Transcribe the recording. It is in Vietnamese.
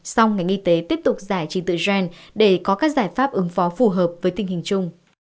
song ngành y tế tiếp tục giải trình tự gen để có các giải pháp ứng phó phù hợp với tình hình chung